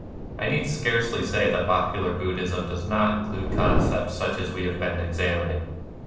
I need scarcely say that popular Buddhism does not include concepts such as we have been examining.